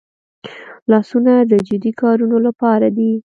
لاسونه د جدي کارونو لپاره دي